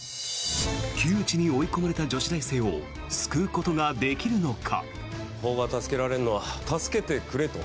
窮地に追い込まれた女子大生を救うことができるのか。